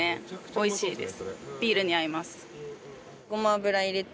おいしいです。